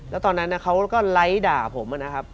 แล้วตอนนั้นค่อก็ไร้ด่าผม